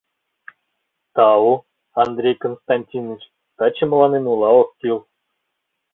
Тау, Андрей Константиныч, таче мыланем ула ок кӱл.